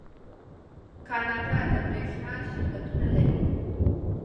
کاناډا د بریښنا شرکتونه لري.